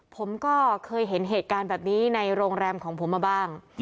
ผมก็เคยเห็นเหตุการณ์แบบนี้ในโรงแรมของผมมาบ้าง